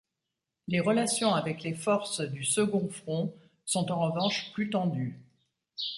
Les relations avec les forces du Second Front sont en revanche plus tendues.